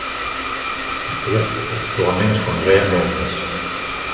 Aquest actualment es conrea molt més.